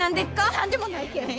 何でもないけん。